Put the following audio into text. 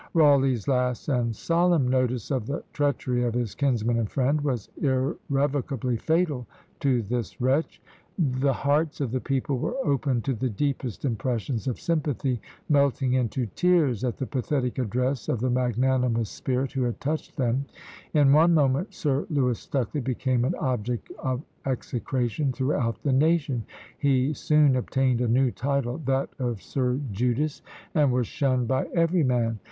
Rawleigh's last and solemn notice of the treachery of his "kinsman and friend" was irrevocably fatal to this wretch. The hearts of the people were open to the deepest impressions of sympathy, melting into tears at the pathetic address of the magnanimous spirit who had touched them; in one moment Sir Lewis Stucley became an object of execration throughout the nation; he soon obtained a new title, that of "Sir Judas," and was shunned by every man.